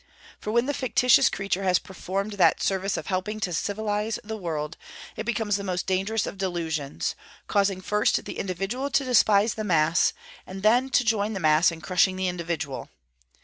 For when the fictitious creature has performed that service of helping to civilize the world, it becomes the most dangerous of delusions, causing first the individual to despise the mass, and then to join the mass in crushing the individual.